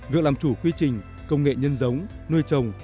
việc làm chủ quy trình công nghệ nhân giống nuôi trồng